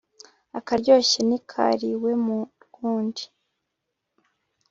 akaryoshye ntikariwe mu rw'undi